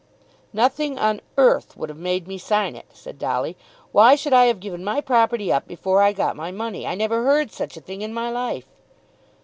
"Nothing on earth would have made me sign it," said Dolly. "Why should I have given my property up before I got my money? I never heard such a thing in my life."